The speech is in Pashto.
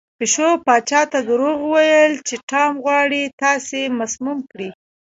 پیشو پاچا ته دروغ وویل چې ټام غواړي تاسې مسموم کړي.